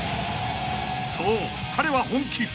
［そう彼は本気］